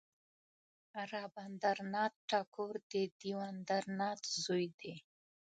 رابندر ناته ټاګور د دیو ندر ناته زوی دی.